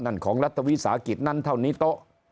ของรัฐวิสาหกิจนั้นเท่านี้โต๊ะ